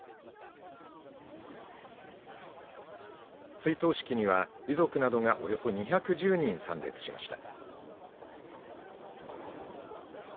追悼式には遺族などおよそ２１０人参列しました。